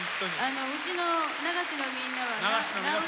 うちの流しのみんなは名うてなんで。